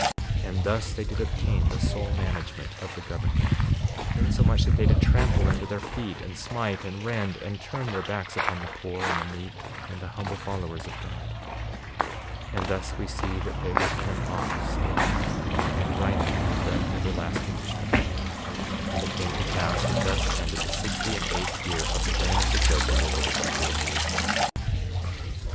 6:39 And thus they did obtain the sole management of the government, insomuch that they did trample under their feet and smite and rend and turn their backs upon the poor and the meek, and the humble followers of God. 6:40 And thus we see that they were in an awful state, and ripening for an everlasting destruction. 6:41 And it came to pass that thus ended the sixty and eighth year of the reign of the judges over the people of Nephi.